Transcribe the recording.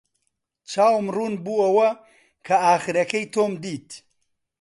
چاوم ڕوون بووەوە کە ئاخرەکەی تۆم دیت.